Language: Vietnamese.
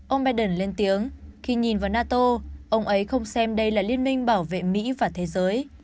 ông biden lên tiếng khi nhìn vào nato ông ấy không xem đây là liên minh bảo vệ mỹ và thế giới